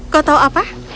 kau tahu apa